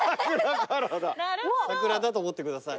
桜だと思ってください。